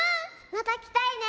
またきたいね。